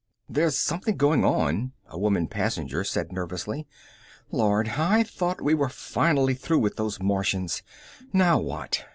"There's something going on," a woman passenger said nervously. "Lord, I thought we were finally through with those Martians. Now what?"